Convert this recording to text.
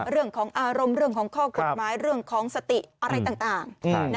เรื่องของอารมณ์เรื่องของข้อกฎหมายเรื่องของสติอะไรต่าง